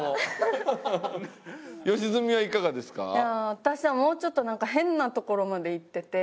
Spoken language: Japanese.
私はもうちょっとなんか変なところまでいってて。